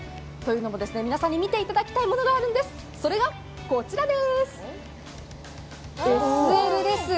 皆さんに見ていただきたいものがあるんです、それがこちらです、ＳＬです。